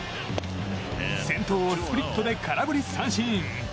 先頭をスプリットで空振り三振！